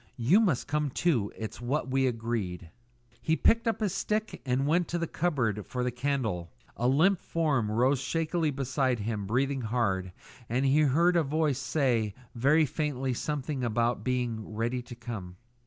You must come too. It's what we agreed." He picked up his stick and went to the cupboard for the candle. A limp form rose shakily beside him breathing hard, and he heard a voice say very faintly something about being "ready to come."